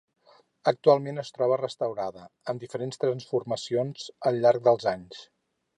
Actualment es troba restaurada, amb diferents transformacions al llarg dels anys.